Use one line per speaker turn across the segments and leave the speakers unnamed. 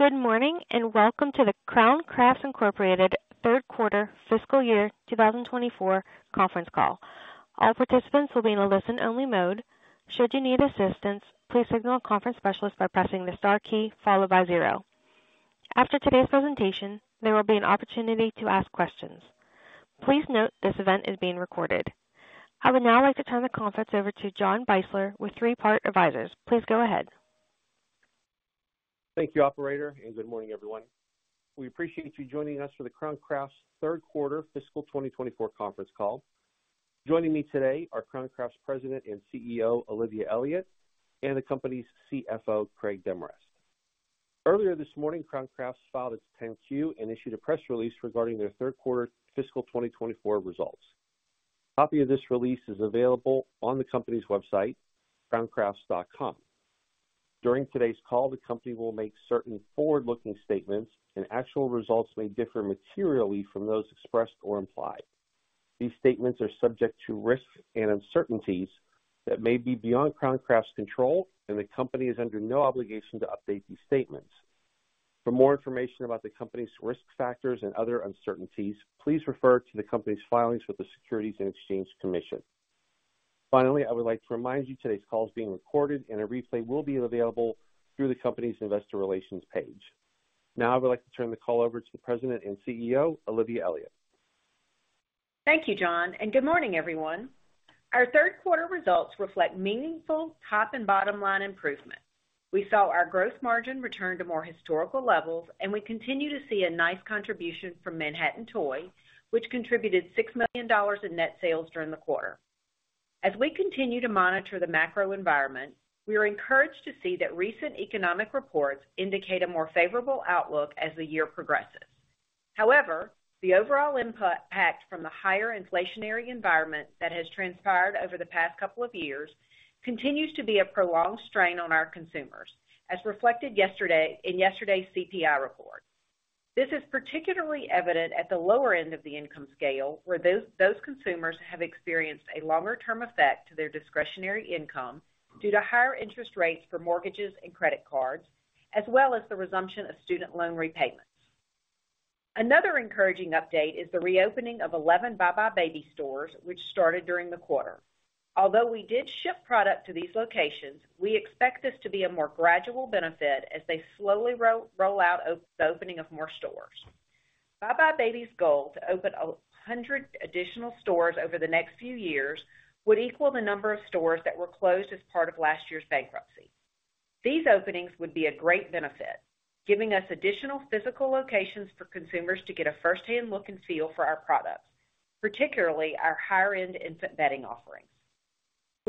Good morning and welcome to the Crown Crafts Incorporated third quarter fiscal year 2024 conference call. All participants will be in a listen-only mode. Should you need assistance, please signal a conference specialist by pressing the star key followed by zero. After today's presentation, there will be an opportunity to ask questions. Please note this event is being recorded. I would now like to turn the conference over to John Beisler with Three Part Advisors. Please go ahead.
Thank you, operator, and good morning, everyone. We appreciate you joining us for the Crown Crafts third quarter fiscal 2024 conference call. Joining me today are Crown Crafts President and CEO Olivia Elliott and the company's CFO Craig Demarest. Earlier this morning, Crown Crafts filed its 10-Q and issued a press release regarding their third quarter fiscal 2024 results. A copy of this release is available on the company's website, crowncrafts.com. During today's call, the company will make certain forward-looking statements, and actual results may differ materially from those expressed or implied. These statements are subject to risks and uncertainties that may be beyond Crown Crafts' control, and the company is under no obligation to update these statements. For more information about the company's risk factors and other uncertainties, please refer to the company's filings with the Securities and Exchange Commission. Finally, I would like to remind you today's call is being recorded, and a replay will be available through the company's investor relations page. Now I would like to turn the call over to the President and CEO Olivia Elliott.
Thank you, John, and good morning, everyone. Our third quarter results reflect meaningful top-and-bottom-line improvement. We saw our gross margin return to more historical levels, and we continue to see a nice contribution from Manhattan Toy, which contributed $6 million in net sales during the quarter. As we continue to monitor the macro environment, we are encouraged to see that recent economic reports indicate a more favorable outlook as the year progresses. However, the overall impact from the higher inflationary environment that has transpired over the past couple of years continues to be a prolonged strain on our consumers, as reflected yesterday in yesterday's CPI report. This is particularly evident at the lower end of the income scale, where those consumers have experienced a longer-term effect to their discretionary income due to higher interest rates for mortgages and credit cards, as well as the resumption of student loan repayments. Another encouraging update is the reopening of 11 buybuy BABY stores, which started during the quarter. Although we did ship product to these locations, we expect this to be a more gradual benefit as they slowly roll out the opening of more stores. buybuy BABY's goal to open 100 additional stores over the next few years would equal the number of stores that were closed as part of last year's bankruptcy. These openings would be a great benefit, giving us additional physical locations for consumers to get a firsthand look and feel for our products, particularly our higher-end infant bedding offerings.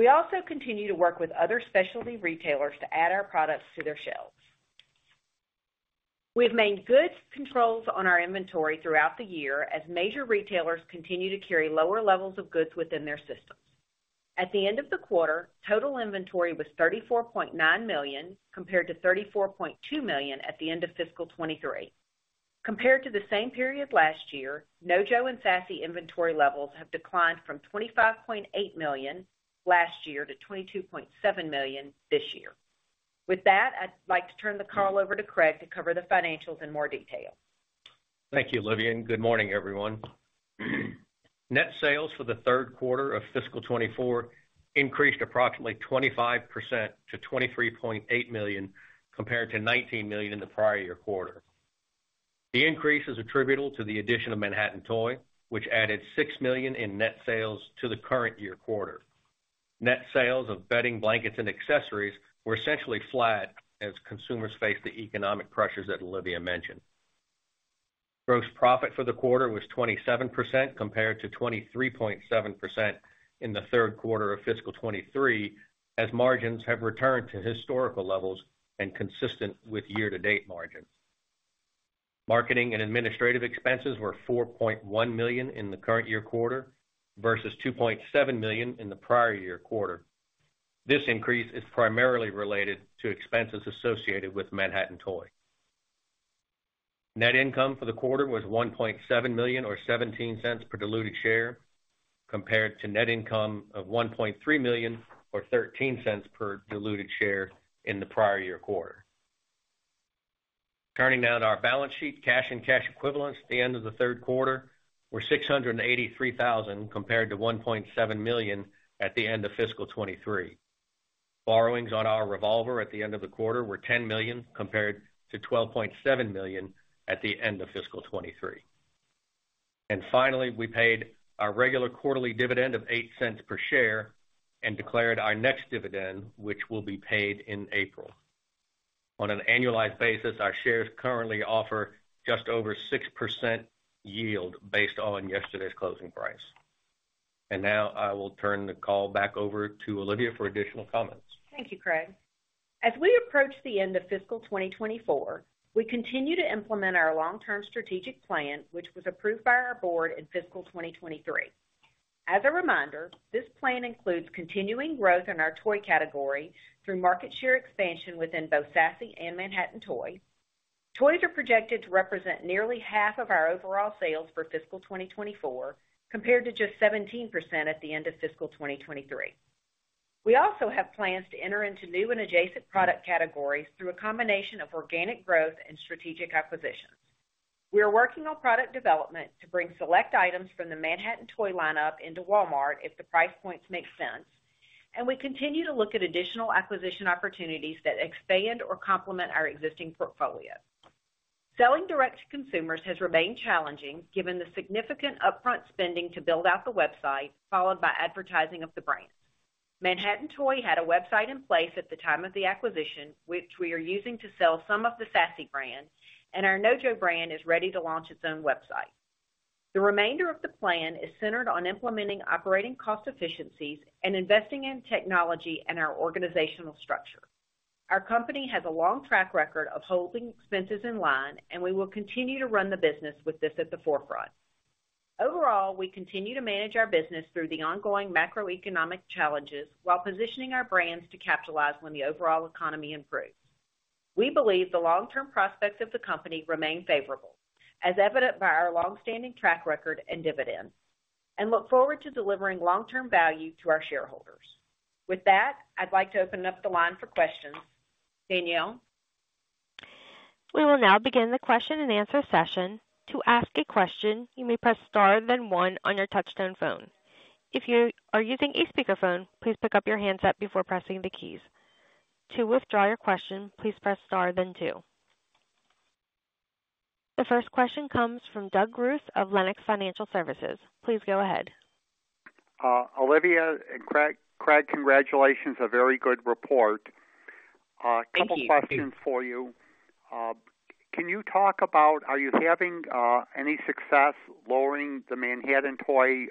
We also continue to work with other specialty retailers to add our products to their shelves. We've made good controls on our inventory throughout the year as major retailers continue to carry lower levels of goods within their systems. At the end of the quarter, total inventory was $34.9 million compared to $34.2 million at the end of fiscal 2023. Compared to the same period last year, NoJo and Sassy inventory levels have declined from $25.8 million last year to $22.7 million this year. With that, I'd like to turn the call over to Craig to cover the financials in more detail.
Thank you, Olivia, and good morning, everyone. Net sales for the third quarter of fiscal 2024 increased approximately 25% to $23.8 million compared to $19 million in the prior year quarter. The increase is attributable to the addition of Manhattan Toy, which added $6 million in net sales to the current year quarter. Net sales of bedding, blankets, and accessories were essentially flat as consumers faced the economic pressures that Olivia mentioned. Gross profit for the quarter was 27% compared to 23.7% in the third quarter of fiscal 2023, as margins have returned to historical levels and consistent with year-to-date margins. Marketing and administrative expenses were $4.1 million in the current year quarter versus $2.7 million in the prior year quarter. This increase is primarily related to expenses associated with Manhattan Toy. Net income for the quarter was $1.7 million or $0.17 per diluted share compared to net income of $1.3 million or $0.13 per diluted share in the prior year quarter. Turning now to our balance sheet, cash and cash equivalents at the end of the third quarter were $683,000 compared to $1.7 million at the end of fiscal 2023. Borrowings on our revolver at the end of the quarter were $10 million compared to $12.7 million at the end of fiscal 2023. Finally, we paid our regular quarterly dividend of $0.08 per share and declared our next dividend, which will be paid in April. On an annualized basis, our shares currently offer just over 6% yield based on yesterday's closing price. Now I will turn the call back over to Olivia for additional comments.
Thank you, Craig. As we approach the end of fiscal 2024, we continue to implement our long-term strategic plan, which was approved by our board in fiscal 2023. As a reminder, this plan includes continuing growth in our toy category through market share expansion within both Sassy and Manhattan Toy. Toys are projected to represent nearly half of our overall sales for fiscal 2024 compared to just 17% at the end of fiscal 2023. We also have plans to enter into new and adjacent product categories through a combination of organic growth and strategic acquisitions. We are working on product development to bring select items from the Manhattan Toy lineup into Walmart if the price points make sense, and we continue to look at additional acquisition opportunities that expand or complement our existing portfolio. Selling direct to consumers has remained challenging given the significant upfront spending to build out the website followed by advertising of the brand. Manhattan Toy had a website in place at the time of the acquisition, which we are using to sell some of the Sassy brand, and our NoJo brand is ready to launch its own website. The remainder of the plan is centered on implementing operating cost efficiencies and investing in technology and our organizational structure. Our company has a long track record of holding expenses in line, and we will continue to run the business with this at the forefront. Overall, we continue to manage our business through the ongoing macroeconomic challenges while positioning our brands to capitalize when the overall economy improves. We believe the long-term prospects of the company remain favorable, as evident by our longstanding track record and dividends, and look forward to delivering long-term value to our shareholders. With that, I'd like to open up the line for questions. Danielle?
We will now begin the question and answer session. To ask a question, you may press star then one on your touch-tone phone. If you are using a speakerphone, please pick up your handset before pressing the keys. To withdraw your question, please press star then two. The first question comes from Doug Ruth of Lenox Financial Services. Please go ahead.
Olivia and Craig, congratulations. A very good report. A couple of questions for you. Can you talk about, are you having any success lowering the Manhattan Toy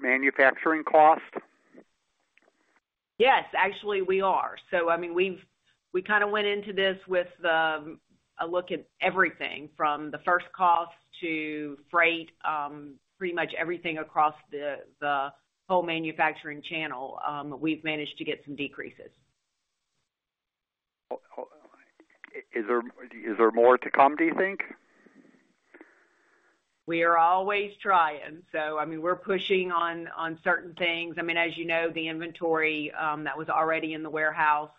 manufacturing cost?
Yes, actually we are. So we kind of went into this with a look at everything from the first cost to freight, pretty much everything across the whole manufacturing channel. We've managed to get some decreases.
Is there more to come, do you think?
We are always trying. So we're pushing on certain things. As you know, the inventory that was already in the warehouse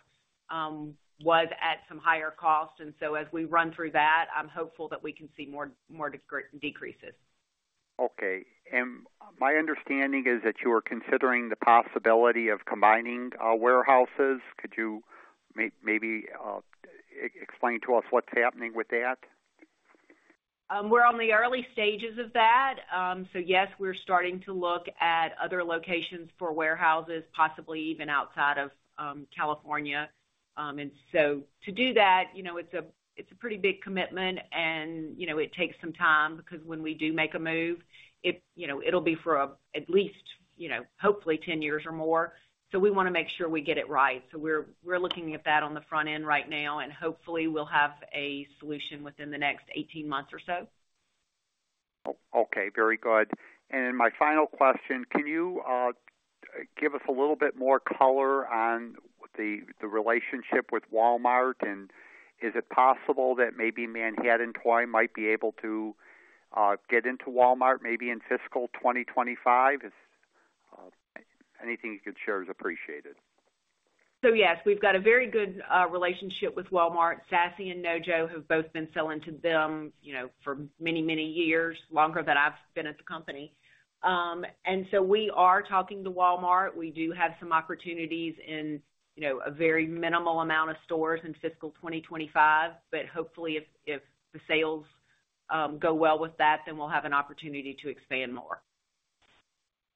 was at some higher cost, and so as we run through that, I'm hopeful that we can see more decreases.
Okay. My understanding is that you are considering the possibility of combining warehouses. Could you maybe explain to us what's happening with that?
We're on the early stages of that. So yes, we're starting to look at other locations for warehouses, possibly even outside of California. And so to do that, it's a pretty big commitment, and it takes some time because when we do make a move, it'll be for at least, hopefully, 10 years or more. So we want to make sure we get it right. So we're looking at that on the front end right now, and hopefully we'll have a solution within the next 18 months or so.
Okay, very good. And my final question, can you give us a little bit more color on the relationship with Walmart, and is it possible that maybe Manhattan Toy might be able to get into Walmart maybe in fiscal 2025? Anything you could share is appreciated.
So yes, we've got a very good relationship with Walmart. Sassy and NoJo have both been selling to them for many, many years, longer than I've been at the company. And so we are talking to Walmart. We do have some opportunities in a very minimal amount of stores in fiscal 2025, but hopefully if the sales go well with that, then we'll have an opportunity to expand more.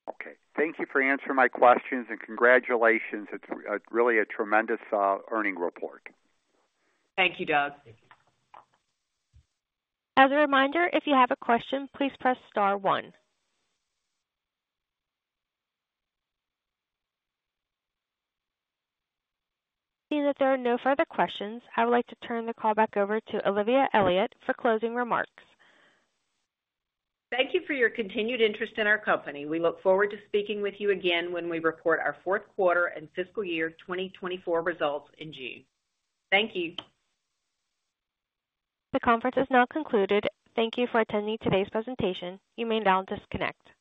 Okay. Thank you for answering my questions, and congratulations. It's really a tremendous earnings report.
Thank you, Doug.
As a reminder, if you have a question, please press star one. Seeing that there are no further questions, I would like to turn the call back over to Olivia Elliott for closing remarks.
Thank you for your continued interest in our company. We look forward to speaking with you again when we report our fourth quarter and fiscal year 2024 results in June. Thank you.
The conference is now concluded. Thank you for attending today's presentation. You may now disconnect.